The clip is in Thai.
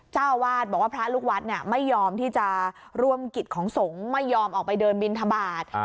เจ้าวาดบอกว่าพระลูกวัดไม่ยอมที่จะร่วมกิจของสงฆ์ไม่ยอมออกไปเดินบินทบาท